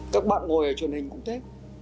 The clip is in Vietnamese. các bạn ngồi ở truyền hình cũng thế